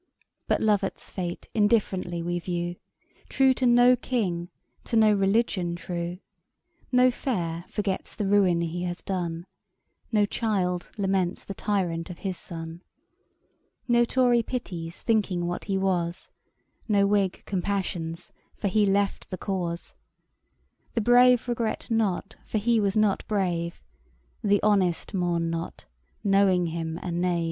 But LOVAT'S fate indifferently we view, True to no King, to no religion true: No fair forgets the ruin he has done; No child laments the tyrant of his son; No tory pities, thinking what he was; No whig compassions, for he left the cause; The brave regret not, for he was not brave; The honest mourn not, knowing him a knave!'